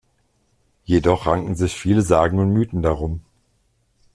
Jedoch ranken sich viele Sagen und Mythen darum.